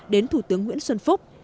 đến thủ tướng nguyễn xuân phúc